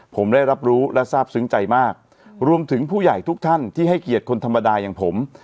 ผมได้รับรู้และทราบซึ้งใจมากรวมถึงผู้ใหญ่ทุกท่านที่ให้เกียรติคนธรรมดาอย่างผม